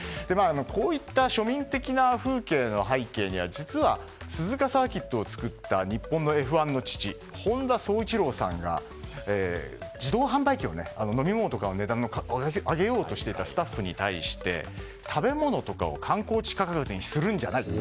こういった庶民的な風景の背景には実は鈴鹿サーキットを作った日本のＦ１の父本田宗一郎さんが自動販売機、飲み物とかの値段を上げようとしていたスタッフに対して食べ物とかを観光地価格にするんじゃないと。